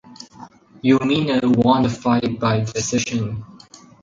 Umeno won the fight by decision.